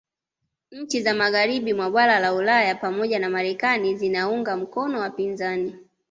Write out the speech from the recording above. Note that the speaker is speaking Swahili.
Nhi za magharibi mwa bara la Ulaya pamoja na Marekani zinaunga mkono wapinzani